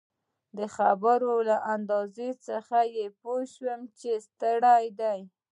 د خبرو له انداز څخه يې پوه شوم چي ستړی دی.